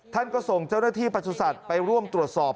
ท่านก็ส่งเจ้าหน้าที่ประสุทธิ์ไปร่วมตรวจสอบ